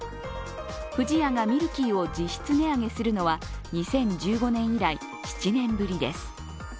不二家がミルキーを実質値上げするのは２０１５年以来７年ぶりです。